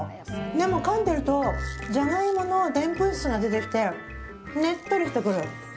でもかんでいるとジャガイモのでんぷん質が出てきてねっとりしてくる。